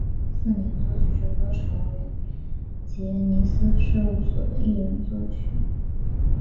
四名作曲者都曾为杰尼斯事务所的艺人作曲。